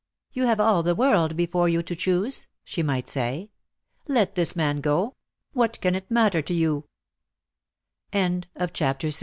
"You have all the world before you to choose," she might say. "Let this man go. What can it matter to